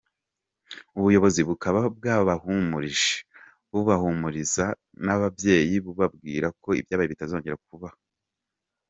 Ubuyobozi bukaba bwabahumurije, buhumuriza n’ababyeyi bubabwira ko ibyabaye bitazongera kuba.